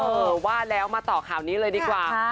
เออว่าแล้วมาต่อข่าวนี้เลยดีกว่า